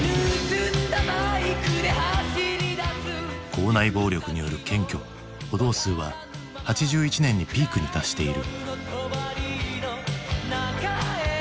校内暴力による検挙補導数は８１年にピークに達している。